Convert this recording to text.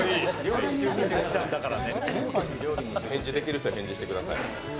返事できる人は返事してください。